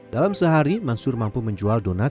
dalam sehari mansur mampu menjual donat